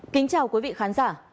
kính chào quý vị khán giả